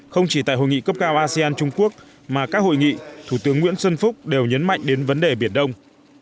không chỉ tại hội nghị cấp cao asean trung quốc mà các hội nghị thủ tướng nguyễn xuân phúc đều nhấn mạnh đến vấn đề biển đông